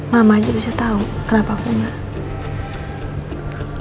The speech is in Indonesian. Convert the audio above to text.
mama aja bisa tau kenapa aku gak